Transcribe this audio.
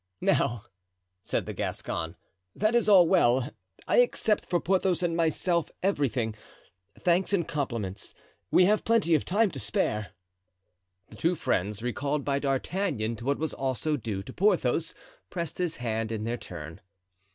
"Now," said the Gascon, "that is all well, I accept for Porthos and myself everything—thanks and compliments; we have plenty of time to spare." The two friends, recalled by D'Artagnan to what was also due to Porthos, pressed his hand in their turn.